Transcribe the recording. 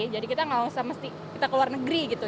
jadi kita gak usah mesti kita ke luar negeri gitu